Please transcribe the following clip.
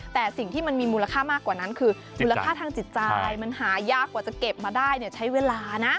แต่สิ่งที่มันมีมูลค่ามากกว่านั้นคือมูลค่าทางจิตใจมันหายากกว่าจะเก็บมาได้เนี่ยใช้เวลานะ